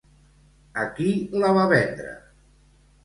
A qui la va vendre?